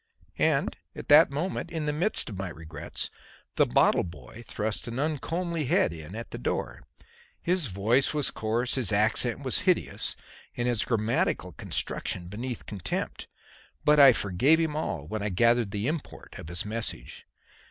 And at that moment, in the midst of my regrets, the bottle boy thrust an uncomely head in at the door. His voice was coarse, his accent was hideous, and his grammatical construction beneath contempt; but I forgave him all when I gathered the import of his message.